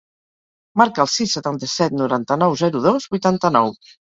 Marca el sis, setanta-set, noranta-nou, zero, dos, vuitanta-nou.